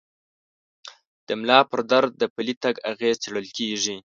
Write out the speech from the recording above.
د ملا پر درد د پلي تګ اغېز څېړل کېږي.